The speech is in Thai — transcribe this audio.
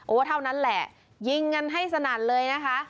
เท่านั้นแหละยิงกันให้สนั่นเลยนะคะ